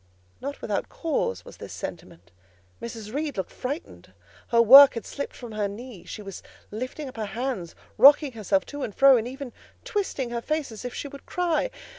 Not without cause was this sentiment: Mrs. Reed looked frightened; her work had slipped from her knee; she was lifting up her hands, rocking herself to and fro, and even twisting her face as if she would cry.